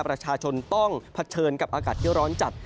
ประชาชนต้องเผชิญกับอากาศที่ร้อนจัด